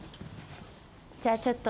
じゃあちょっと。